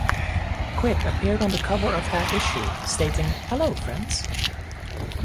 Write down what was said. Quick appeared on the cover of that issue, stating Hello, friends.